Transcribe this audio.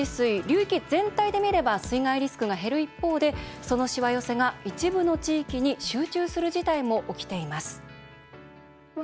流域全体で見れば水害リスクが減る一方でそのしわ寄せが一部の地域に集中する事態も起きています。